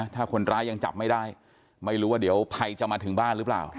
ถ้าคนร้ายยังจับไม่ได้ไม่รู้ว่าเดี๋ยวภัยจะมาถึงบ้านหรือเปล่า